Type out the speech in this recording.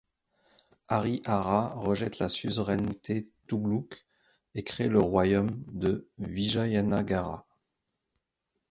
Harihara rejette la suzeraineté tughluq et crée le royaume de Vijayanâgara.